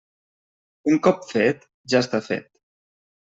Un cop fet, ja està fet.